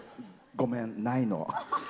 ごめん、ないの。